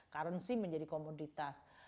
currency menjadi komoditas